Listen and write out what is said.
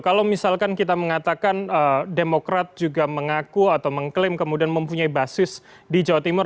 kalau misalkan kita mengatakan demokrat juga mengaku atau mengklaim kemudian mempunyai basis di jawa timur